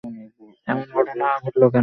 এমন ঘটনা কেন ঘটল?